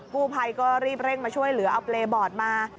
ใครก็รีบเร่งมาช่วยหรือเอาเบรบอร์ดมา